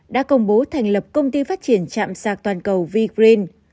đã công bố thành lập công ty phát triển chạm sạc toàn cầu vigreen